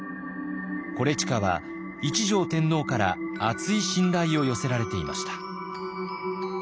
伊周は一条天皇から厚い信頼を寄せられていました。